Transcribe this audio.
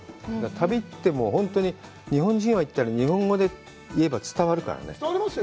旅行って、もう日本人が行ったら日本語で言えば伝わるからね。